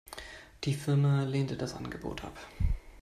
Die Firma lehnte das Angebot ab.